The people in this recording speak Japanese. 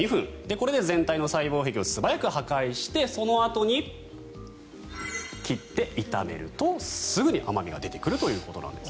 これで全体の細胞壁を素早く破壊してそのあとに切って炒めるとすぐに甘味が出てくるということです。